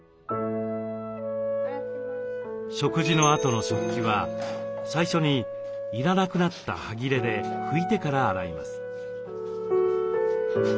食事のあとの食器は最初に要らなくなったはぎれで拭いてから洗います。